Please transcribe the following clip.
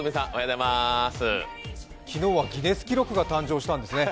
昨日はギネス記録が誕生したんですね。